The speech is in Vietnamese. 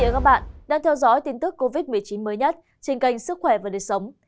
các bạn đang theo dõi tin tức covid một mươi chín mới nhất trên kênh sức khỏe và đời sống